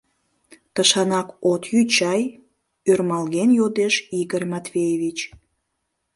— Тышанак от йӱ чай? — ӧрмалген йодеш Игорь Матвеевич.